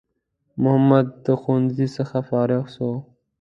محمد د ښوونځی څخه فارغ سو